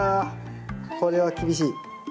これは厳しい。